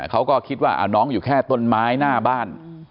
เขาก็คิดว่าน้องอยู่แค่ต้นไม้หน้าบ้าน